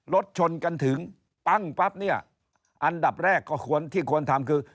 รถชนกันถึงปั้งปั๊บเนี่ยอันดับแรกก็ควรที่ควรทำคือ